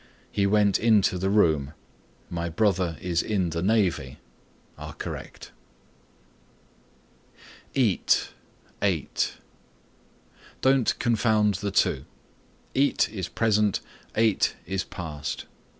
"He went into the room;" "My brother is in the navy" are correct. EAT ATE Don't confound the two. Eat is present, ate is past.